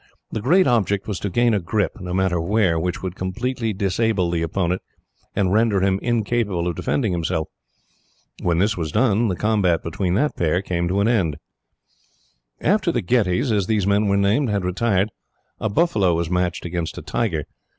The great object was to gain a grip, no matter where, which would completely disable the opponent, and render him incapable of defending himself. When this was done, the combat between that pair came to an end. After the ghetties, as these men were named, had retired, a buffalo was matched against a tiger.